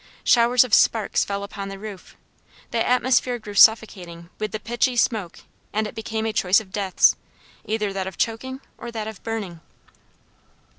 Showers of sparks fell upon the roof. The atmosphere grew suffocating with the pitchy smoke and it became a choice of deaths, either that of choking or that of burning.